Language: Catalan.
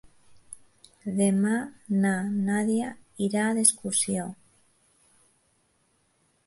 Demà na Nàdia irà d'excursió.